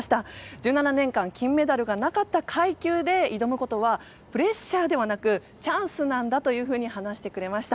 １７年間金メダルがなかった階級で挑むことはプレッシャーではなくチャンスなんだというふうに話してくれました。